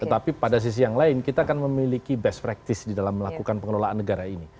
tetapi pada sisi yang lain kita akan memiliki best practice di dalam melakukan pengelolaan negara ini